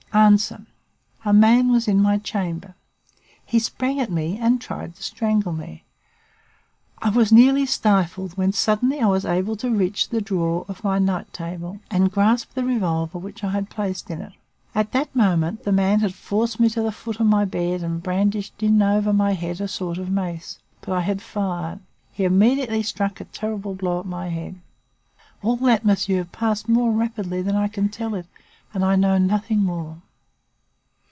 "A. A man was in my chamber. He sprang at me and tried to strangle me. I was nearly stifled when suddenly I was able to reach the drawer of my night table and grasp the revolver which I had placed in it. At that moment the man had forced me to the foot of my bed and brandished in over my head a sort of mace. But I had fired. He immediately struck a terrible blow at my head. All that, monsieur, passed more rapidly than I can tell it, and I know nothing more.